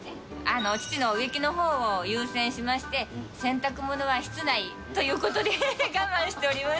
父の植木のほうを優先しまして、洗濯物は室内ということで我慢しております。